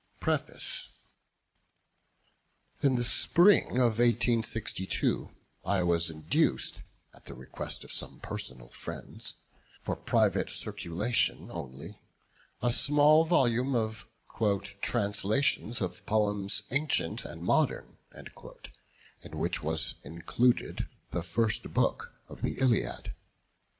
PREFACE. In the spring of 1862 I was induced, at the request of some personal friends, to print, for private circulation only, a small volume of "Translations of Poems Ancient and Modern," in which was included the first Book of the Iliad.